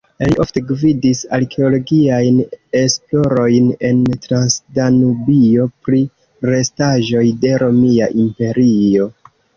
Li ofte gvidis arkeologiajn esplorojn en Transdanubio pri restaĵoj de Romia Imperio.